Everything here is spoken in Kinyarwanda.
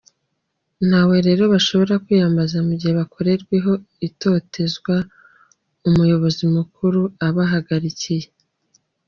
Ntawe rero bashobora kwiyambaza mu gihe bakorerwa itotezwa umuyobozi mukuru abahagarikiye.